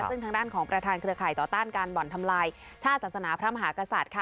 ซึ่งทางด้านของประธานเครือข่ายต่อต้านการบ่อนทำลายชาติศาสนาพระมหากษัตริย์ค่ะ